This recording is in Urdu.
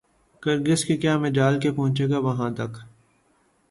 کرگس کی کیا مجال کہ پہنچے گا وہاں تک